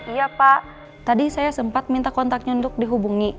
iya pak tadi saya sempat minta kontaknya untuk dihubungi